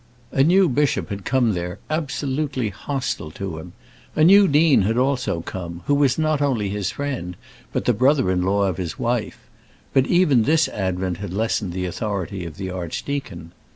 A new bishop had come there, absolutely hostile to him. A new dean had also come, who was not only his friend, but the brother in law of his wife; but even this advent had lessened the authority of the archdeacon.